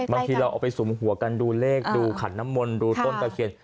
บางทีเราเอาไปสุมหัวกันดูเลขดูขันน้ำมนต์ดูต้นตะเคียน